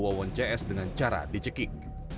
wawon cs dengan cara dicekik